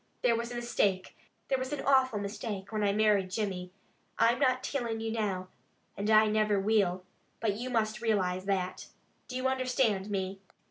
There was a mistake. There was an awful mistake, when I married Jimmy. I'm not tillin' you now, and I niver will, but you must realize that! Do you understand me?"